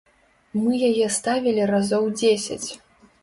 Мы яе ставілі разоў дзесяць.